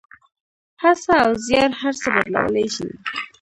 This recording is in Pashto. هڅه او زیار هر څه بدلولی شي.